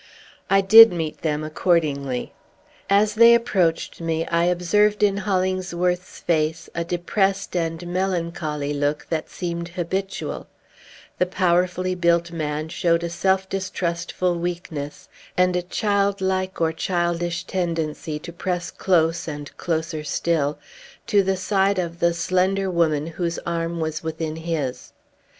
I did meet them, accordingly. As they approached me, I observed in Hollingsworth's face a depressed and melancholy look, that seemed habitual; the powerfully built man showed a self distrustful weakness, and a childlike or childish tendency to press close, and closer still, to the side of the slender woman whose arm was within his.